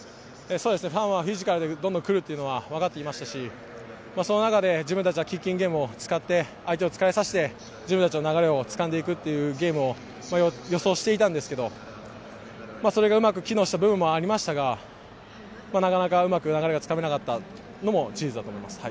フィジカルでどんどん来るっていうのはわかってましたし、自分たちはキッキングゲームを使って相手を疲れさせて、自分たちの流れを掴んでゲームをしていくというのを予想していたんですけれど、それがうまく機能した部分もありましたが、なかなかうまく流れがつかめなかったのも事実だと思います。